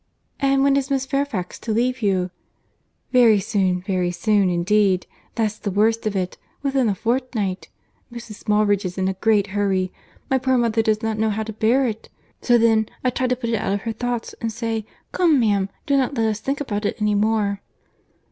"And when is Miss Fairfax to leave you?" "Very soon, very soon, indeed; that's the worst of it. Within a fortnight. Mrs. Smallridge is in a great hurry. My poor mother does not know how to bear it. So then, I try to put it out of her thoughts, and say, Come ma'am, do not let us think about it any more."